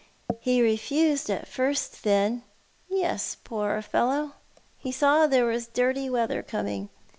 '« He refused at first, then ?"" Yes, poor fellow. He saw there was dirty weather coming.